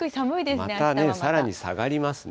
また、さらに下がりますね。